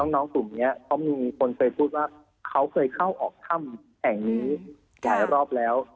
น้องกลุ่มนี้เขามีคนเคยพูดว่าเขาเคยเข้าออกถ้ำแห่งนี้หลายรอบแล้ว